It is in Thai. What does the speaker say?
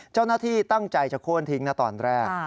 เจ้าหน้าที่ตั้งใจจะโค้นทิ้งนะตอนแรก